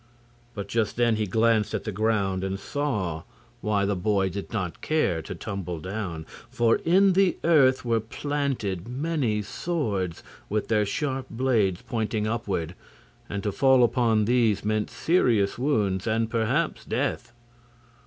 But just then he glanced at the ground and saw why the boy did not care to tumble down. For in the earth were planted many swords, with their sharp blades pointing upward, and to fall upon these meant serious wounds and perhaps death.